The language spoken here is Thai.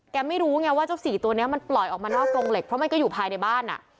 ไม่รู้ไงว่าเจ้าสี่ตัวนี้มันปล่อยออกมานอกกรงเหล็กเพราะมันก็อยู่ภายในบ้านอ่ะ